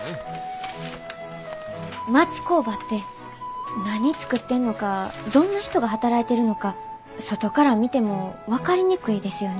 町工場って何作ってんのかどんな人が働いてるのか外から見ても分かりにくいですよね。